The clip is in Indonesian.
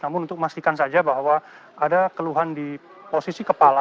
namun untuk memastikan saja bahwa ada keluhan di posisi kepala